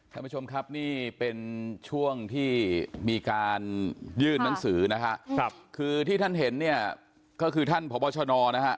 ท่านผู้ชมครับนี่เป็นช่วงที่มีการยื่นมันสือคือที่ท่านเห็นก็คือท่านพบชน